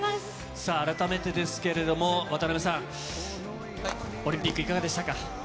さあ、改めてですけれども、渡辺さん、オリンピック、いかがでしたか？